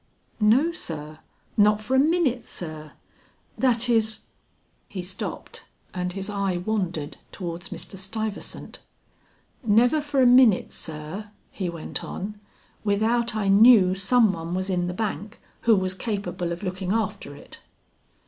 "No sir, not for a minute, sir; that is " He stopped and his eye wandered towards Mr. Stuyvesant. "Never for a minute, sir," he went on, "without I knew some one was in the bank, who was capable of looking after it."